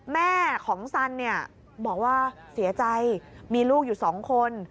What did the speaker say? แม่ของสันเนี่ยบอกว่าเสียใจมีลูกอยู่๒คน